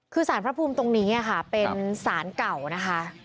คือสารพระภูมิตรงนี้ค่ะเป็นสารเก่านะคะ